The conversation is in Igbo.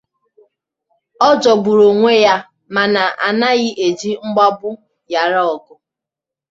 Ọ jọgburu onwe ya mana anaghị eji mgbagbu ghara ọgụ